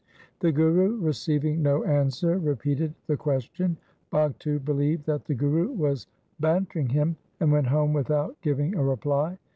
The Guru receiving no answer repeated the ques tion. Bhagtu believed that the Guru was banter ing him, and went home without giving a reply.